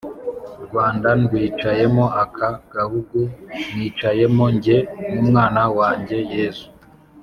rwanda ndwicayemo, aka gahugu nkicayemo jye n’umwana wanjye yezu,